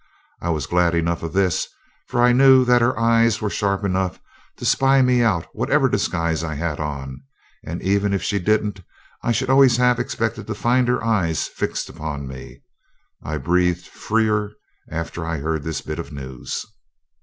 I was glad enough of this, for I knew that her eyes were sharp enough to spy me out whatever disguise I had on; and even if she didn't I should always have expected to find her eyes fixed upon me. I breathed freer after I heard this bit of news.